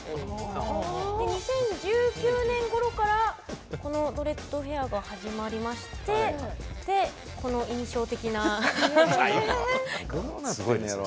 ２０１９年ごろからこのドレッドヘアが始まりましてでこの印象的な。